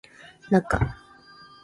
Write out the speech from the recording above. なか